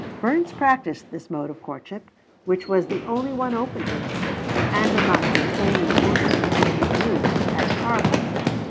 Burns practiced this mode of courtship, which was the only one open to him, and among the only women whom he knew at Tarbolton.